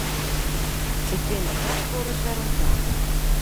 Ik bin der hast wolris wer oan ta.